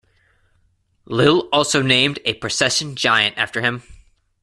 Lille also named a procession giant after him.